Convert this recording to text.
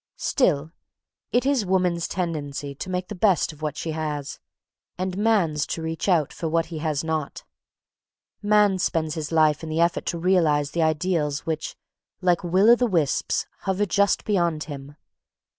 Still, it is woman's tendency to make the best of what she has, and man's to reach out for what he has not. Man spends his life in the effort to realise the ideals which, like will o' the wisps, hover just beyond him.